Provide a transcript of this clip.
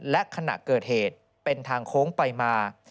และขณะเกิดเหตุเป็นทางโค้งไปมา